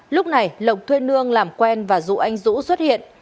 lúc này lộc thuê nương làm quen và dụ anh dũ xuất hiện